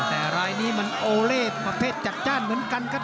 แต่รายนี้มันโอเล่ประเภทจัดจ้านเหมือนกันครับ